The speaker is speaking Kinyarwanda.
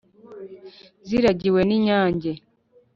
Ziragiwe n'inyange